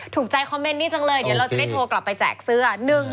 ถูกใจคอมเมนต์นี้จังเลยเดี๋ยวเราจะได้โทรกลับไปแจกเสื้อ